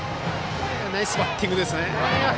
ナイスバッティングですね。